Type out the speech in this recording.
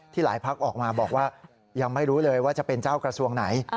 หลายพักออกมาบอกว่ายังไม่รู้เลยว่าจะเป็นเจ้ากระทรวงไหน